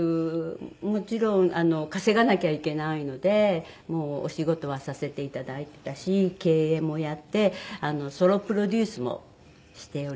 もちろん稼がなきゃいけないのでお仕事はさせていただいてたし経営もやってソロプロデュースもしておりまして。